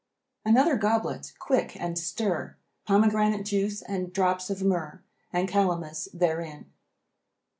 Another goblet! quick! and stir Pomegranate juice and drops of myrrh And calamus therein.